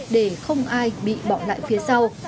để không ai bị bỏ lại phía sau